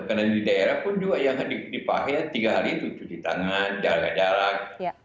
karena di daerah pun juga yang dipahami ya tiga hari itu cuci tangan jalan jalan